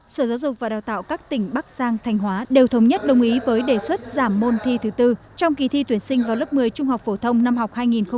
sở giáo dục và đào tạo các tỉnh bắc giang thành hóa đều thống nhất đồng ý với đề xuất giảm môn thi thứ tư trong kỳ thi tuyển sinh vào lớp một mươi trung học phổ thông năm học hai nghìn hai mươi hai nghìn hai mươi một